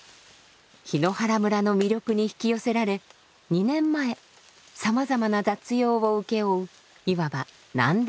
檜原村の魅力に引き寄せられ２年前さまざまな雑用を請け負ういわば何でも屋を始めました。